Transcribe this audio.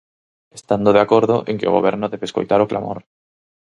Estando de acordo en que o Goberno debe escoitar o clamor.